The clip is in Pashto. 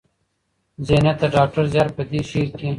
ذهنيت د ډاکټر زيار په دې شعر کې